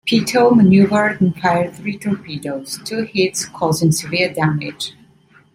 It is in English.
"Peto" maneuvered and fired three torpedoes; two hits causing severe damage.